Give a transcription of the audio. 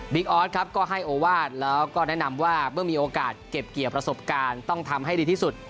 ออสครับก็ให้โอวาสแล้วก็แนะนำว่าเมื่อมีโอกาสเก็บเกี่ยวประสบการณ์ต้องทำให้ดีที่สุด